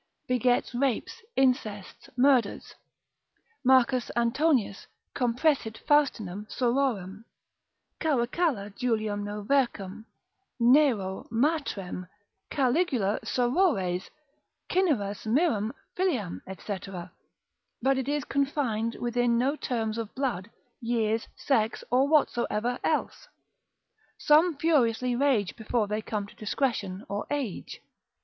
begets rapes, incests, murders: Marcus Antonius compressit Faustinam sororem, Caracalla Juliam Novercam, Nero Matrem, Caligula sorores, Cyneras Myrrham filiam, &c. But it is confined within no terms of blood, years, sex, or whatsoever else. Some furiously rage before they come to discretion, or age.